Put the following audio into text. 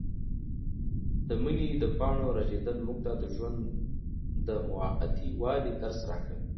د مني د پاڼو رژېدل موږ ته د ژوند د موقتي والي درس راکوي.